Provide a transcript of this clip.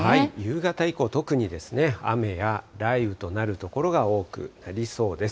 夕方以降、特にですね、雨や雷雨となる所が多くなりそうです。